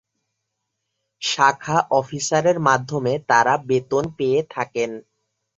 শাখা অফিসারের মাধ্যমে তারা বেতন পেয়ে থাকেন।